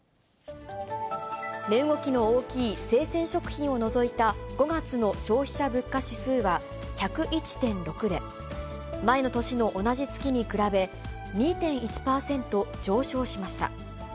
値動きの大きい生鮮食品を除いた５月の消費者物価指数は１０１．６で、前の年の同じ月に比べ、２．１％上昇しました。